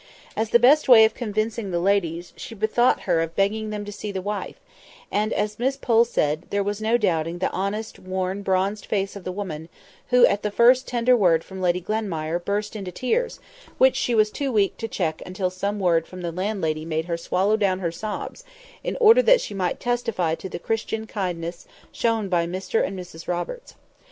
As the best way of convincing the ladies, she bethought her of begging them to see the wife; and, as Miss Pole said, there was no doubting the honest, worn, bronzed face of the woman, who at the first tender word from Lady Glenmire, burst into tears, which she was too weak to check until some word from the landlady made her swallow down her sobs, in order that she might testify to the Christian kindness shown by Mr and Mrs Roberts.